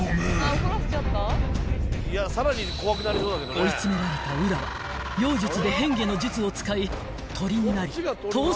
［追い詰められた温羅は妖術で変化の術を使い鳥になり逃走を図る］